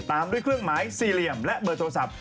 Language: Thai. ตามด้วยเครื่องหมายสี่เหลี่ยมและเบอร์โทรศัพท์